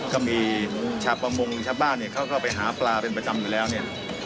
ก็มีชาวประมงชาวบ้านเนี่ยเขาก็ไปหาปลาเป็นประจำอยู่แล้วเนี่ย